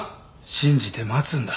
信じて待つんだ。